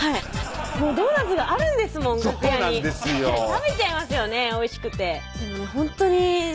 ドーナッツがあるんですもん楽屋に食べちゃいますよねおいしくてでもね